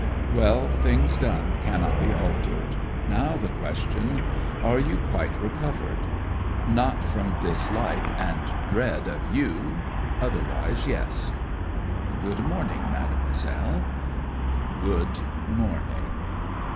'"Well, things done cannot be altered. Now the question: are you quite recovered?" '"Not from dislike and dread of you otherwise, yes." '"Good morning, Mademoiselle." '"Good morning."